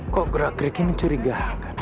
kok gerak gerik ini curiga